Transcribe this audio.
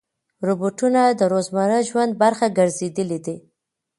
روبوټونه د روزمره ژوند برخه ګرځېدلي دي.